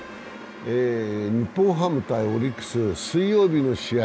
日本ハム×オリックス、水曜日の試合。